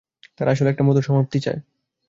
তারা আসলে একটা মধুর সমাপ্তি চায়।